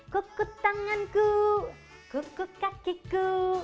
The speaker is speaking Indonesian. kukut tanganku kukut kakiku